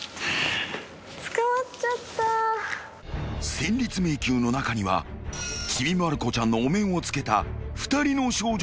［戦慄迷宮の中にはちびまる子ちゃんのお面をつけた２人の少女がいる］